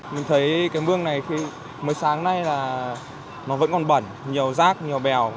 mình thấy cái mương này mới sáng nay là nó vẫn còn bẩn nhiều rác nhiều bèo